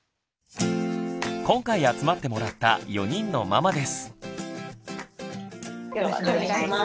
今回集まってもらった４人のママです。